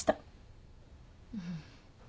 うん。